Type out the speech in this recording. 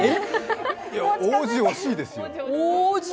王子惜しいですよ。